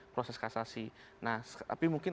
proses kasasi nah tapi mungkin